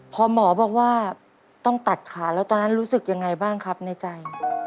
พอหมอบอกว่าต้องตัดขาแล้วตอนนั้นรู้สึกยังไงบ้างครับในใจ